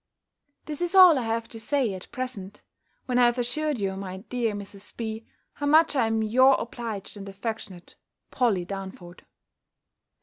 This is all I have to say, at present, when I have assured you, my dear Mrs. B., how much I am your obliged, and affectionate POLLY DARNFORD.